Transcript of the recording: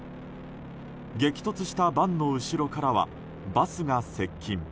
激突したバンの後ろからはバスが接近。